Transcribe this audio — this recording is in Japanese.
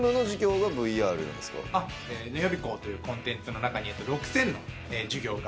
Ｎ予備校というコンテンツの中に６０００の授業が。